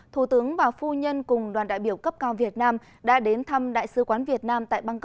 thủ tướng và phu nhân cùng đoàn đại biểu cấp cao việt nam đã đến thăm đại sứ quán việt nam tại bangko